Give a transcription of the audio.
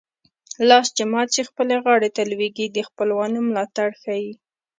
لاس چې مات شي خپلې غاړې ته لوېږي د خپلوانو ملاتړ ښيي